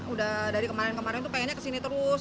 udah dari kemarin kemarin tuh pengennya kesini terus